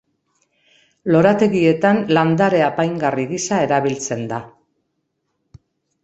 Lorategietan landare apaingarri gisa erabiltzen da.